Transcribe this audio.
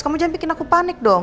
kamu jangan bikin aku panik dong